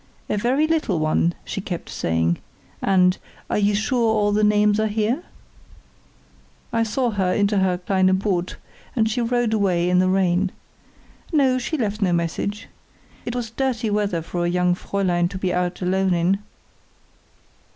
'A very little one,' she kept saying, and 'Are you sure all the names are here?' I saw her into her kleine Boot, and she rowed away in the rain. No, she left no message. It was dirty weather for a young Fräulein to be out alone in.